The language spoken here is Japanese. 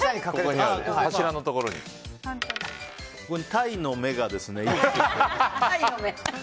タイの目ですね。